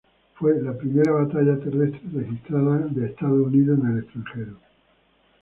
Fue la primera batalla terrestre registrada de Estados Unidos en el extranjero.